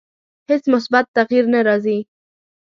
هیڅ مثبت تغییر نه راځي.